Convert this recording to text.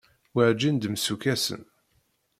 Werǧin d-msukkasen.